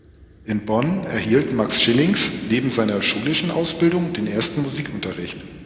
In Bonn erhielt Max Schillings neben seiner schulischen Ausbildung den ersten Musikunterricht.